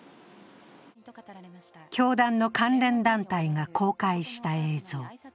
教団の関連団体が公開した映像。